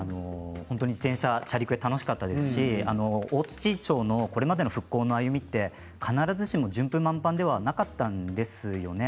チャリクエ楽しかったですし、大槌町のこれまでの復興の歩みって必ずしも順風満帆ではなかったんですよね。